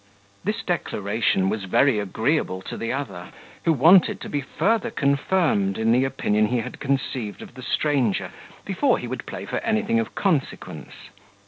This declaration was very agreeable to the other, who wanted to be further confirmed in the opinion he had conceived of the stranger, before he would play for anything of consequence.